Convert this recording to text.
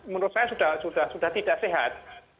menurut saya sudah tidak sehat